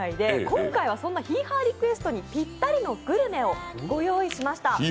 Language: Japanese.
今回はそんなヒーハーリクエストにピッタリのグルメをご用意いたしました。